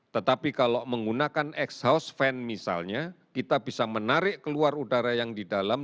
tetapi kalau menggunakan ex house fan misalnya kita bisa menarik keluar udara yang di dalam